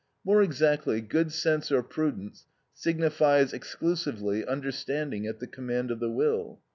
More exactly, good sense or prudence signifies exclusively understanding at the command of the will.